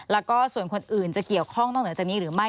แล้วก็ส่วนคนอื่นจะเกี่ยวข้องนอกเหนือจากนี้หรือไม่